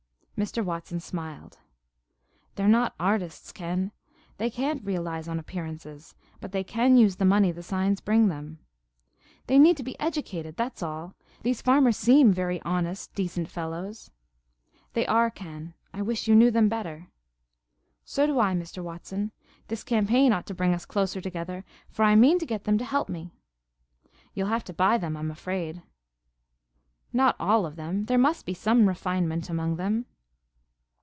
Mr. Watson smiled. "They're not artists, Ken. They can't realize on appearances, but they can use the money the signs bring them." "They need to be educated, that's all. These farmers seem very honest, decent fellows." "They are, Ken. I wish you knew them better." "So do I, Mr. Watson. This campaign ought to bring us closer together, for I mean to get them to help me." "You'll have to buy them, I'm afraid." "Not all of them. There must be some refinement among them."